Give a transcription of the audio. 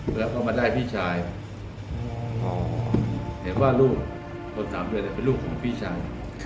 แล้วก็มาได้พี่ชายเห็นว่าลูกคน๓เดือนเป็นลูกของพี่ชาย